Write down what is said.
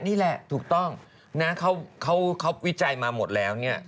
นี่แหละถูกต้องนะเขาวิจัยมาหมดแล้วเนี่ย